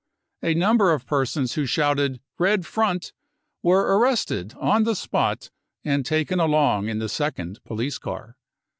A number of persons who shouted c Red Front !* were arrested on the spot and taken along in the second police car.